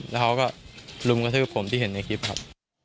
แล้วเขาก็ลุมกระทืบผมที่เห็นในคลิปครับ